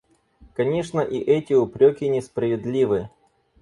Конечно, и эти упреки несправедливы.